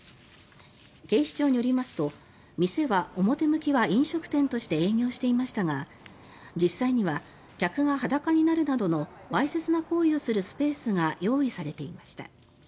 警視庁によりますと店は表向きは飲食店として営業していましたが実際には客が裸になるなどのわいせつな行為をするスペースが用意されていました。